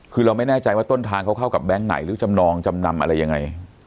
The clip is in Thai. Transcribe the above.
คือเราไม่แน่ใจว่าต้นทางเขาเข้ากับแบงค์ไหนหรือจำนองจำนำอะไรยังไง